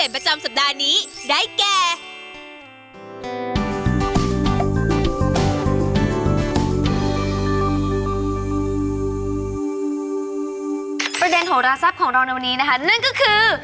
ประเด็นของระทรัพย์ของเราในวันนี้นะคะนั่นก็คือ